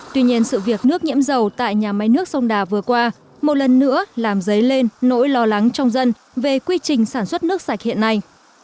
tuy nhiên sự việc nước nhiễm dầu tại nhà máy nước sông đà vừa qua một lần nữa làm dấy lên nỗi lo lắng trong dân về quy trình sản xuất nước sạch hiện nay